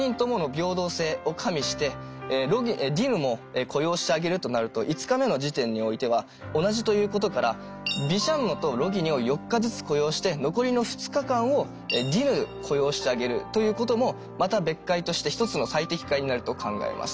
平等性を加味してディヌも雇用してあげるとなると５日目の時点においては同じということからビシャンノとロギニを４日ずつ雇用して残りの２日間をディヌ雇用してあげるということもまた別解として一つの最適解になると考えます。